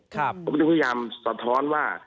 เค้าพยายามสะท้อนว่า